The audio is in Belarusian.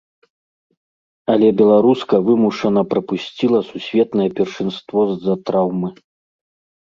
Але беларуска вымушана прапусціла сусветнае першынство з-за траўмы.